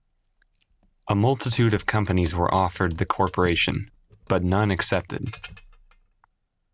A multitude of companies were offered the corporation, but none accepted.